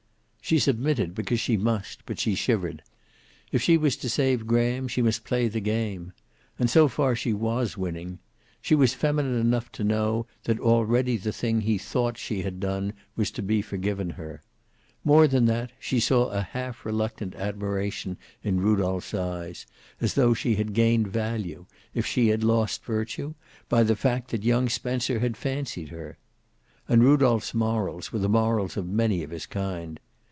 She submitted, because she must, but she shivered. If she was to save Graham she must play the game. And so far she was winning. She was feminine enough to know that already the thing he thought she had done was to be forgiven her. More than that, she saw a half reluctant admiration in Rudolph's eyes, as though she had gained value, if she had lost virtue, by the fact that young Spencer had fancied her. And Rudolph's morals were the morals of many of his kind.